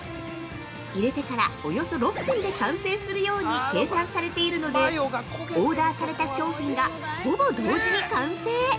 入れてからおよそ６分で完成するように計算されているのでオーダーされた商品がほぼ同時に完成。